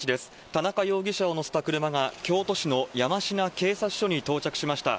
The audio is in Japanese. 田中容疑者を乗せた車が、京都市の山科警察署に到着しました。